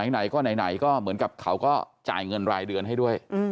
ไหนก็ไหนก็เหมือนกับเขาก็จ่ายเงินรายเดือนให้ด้วย